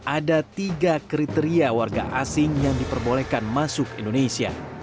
ada tiga kriteria warga asing yang diperbolehkan masuk indonesia